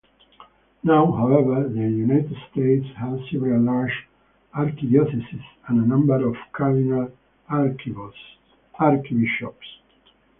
Now, however, the United States has several large archdioceses and a number of cardinal-archbishops.